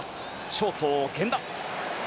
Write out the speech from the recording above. ショート、源田。